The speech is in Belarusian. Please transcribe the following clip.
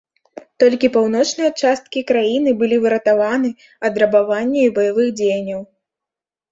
Толькі паўночныя часткі краіны былі выратаваны ад рабавання і баявых дзеянняў.